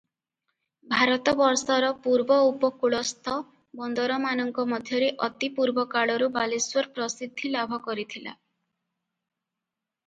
ଭାରତବର୍ଷର ପୂର୍ବ ଉପକୂଳସ୍ଥ ବନ୍ଦରମାନଙ୍କ ମଧ୍ୟରେ ଅତି ପୂର୍ବକାଳରୁ ବାଲେଶ୍ୱର ପ୍ରସିଦ୍ଧି ଲାଭ କରିଥିଲା ।